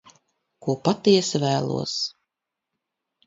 Ko patiesi vēlos.